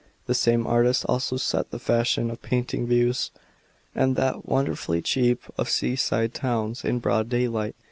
The same artist also set the fashion of painting views — and that wonderfully cheap — of seaside towns in broad day light."